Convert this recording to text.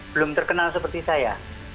belum terkenal seperti saya